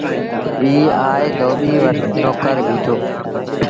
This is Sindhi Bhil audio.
ائيٚݩ آئي ڌوٻيٚ وٽ نوڪر بيٚٺو۔